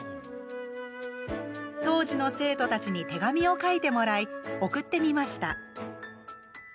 当時の生徒たちに手紙を書いてもらい、送ってみました。